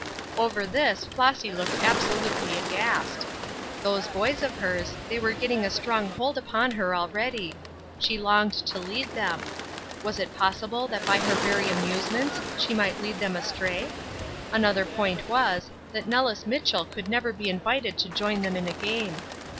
Over this Flossy looked absolutely aghast. Those boys of hers, they were getting a strong hold upon her already; she longed to lead them. Was it possible that by her very amusements she might lead them astray! Another point was, that Nellis Mitchell could never be invited to join them in a game.